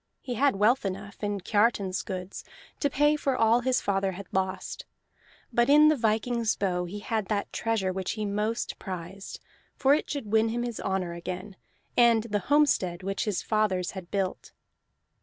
He had wealth enough, in Kiartan's goods, to pay for all his father had lost; but in the viking's bow he had that treasure which he most prized, for it should win him his honor again, and the homestead which his fathers had built.